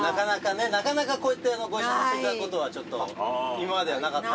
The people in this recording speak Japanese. なかなかこうやってご一緒させていただくことは今まではなかった。